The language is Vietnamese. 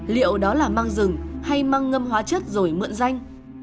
liệu đó là măng rừng hay măng ngâm hóa chất rồi mượn danh